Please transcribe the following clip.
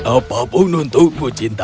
apapun untukmu cinta